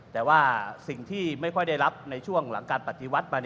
แต่ว่าสิ่งที่ไม่ค่อยได้รับในช่วงหลังการปฏิวัติมา